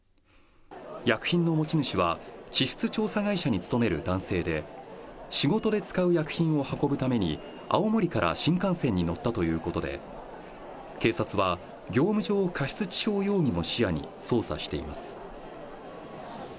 薬品の持ち主は、地質調査会社に勤める男性で、仕事で使う薬品を運ぶために、青森から新幹線に乗ったということで、警察は業務上過失致傷容疑も視野に捜査しています。